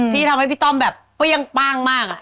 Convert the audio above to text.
ที่ทำให้พี่พริต้อมแบบก็ยังป้างอ่ะ